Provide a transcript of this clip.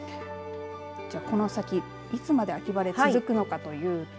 この先いつまで秋晴れが続くのかというと。